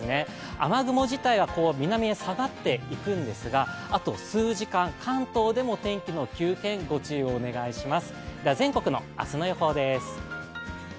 雨雲自体は南へ下がっていくんですがあと数時間、関東でも天気の急変、ご注意をお願いします。